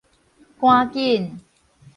趕緊